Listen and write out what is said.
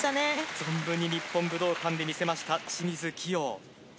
存分に日本武道館で見せました、清水希容。